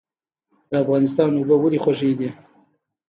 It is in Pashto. د افغانستان اوبه ولې خوږې دي؟